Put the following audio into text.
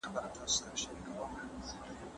ښوونکی ماشومانو ته خپل علم انتقالوي.